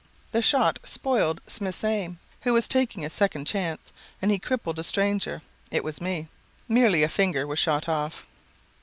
The shot spoiled Smith's aim, who was taking a second chance, and he crippled a stranger. It was me. Merely a finger was shot off.